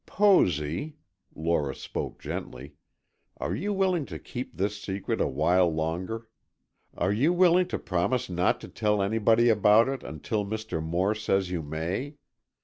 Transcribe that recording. "Posy," Lora spoke gently, "are you willing to keep this secret a while longer? Are you willing to promise not to tell anybody about it until Mr. Moore says you may?